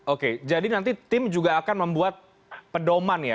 oke jadi nanti tim juga akan membuat pedoman ya